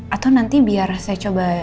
atau nanti biar saya coba